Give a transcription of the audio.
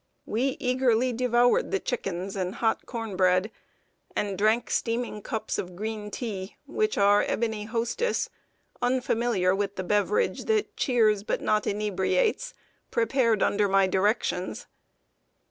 ] We eagerly devoured the chickens and hot corn bread, and drank steaming cups of green tea, which our ebony hostess, unfamiliar with the beverage that cheers, but not inebriates, prepared under my directions.